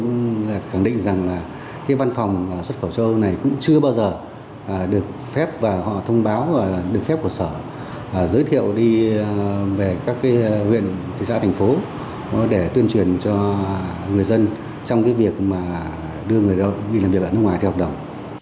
tôi khẳng định rằng là cái văn phòng xuất khẩu châu âu này cũng chưa bao giờ được phép và họ thông báo được phép của sở giới thiệu đi về các huyện thị xã thành phố để tuyên truyền cho người dân trong cái việc mà đưa người lao động đi làm việc ở nước ngoài theo hợp đồng